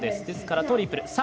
ですから、トリプル。